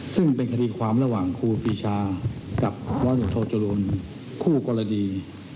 ซึ่งเป็นคดีความระหว่างครูฟิชากับรโถจรุนคู่กรดี